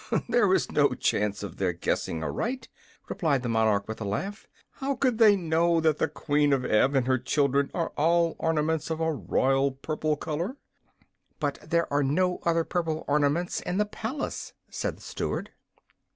"There is no chance of their guessing aright," replied the monarch, with a laugh. "How could they know that the Queen of Ev and her family are all ornaments of a royal purple color?" "But there are no other purple ornaments in the palace," said the Steward.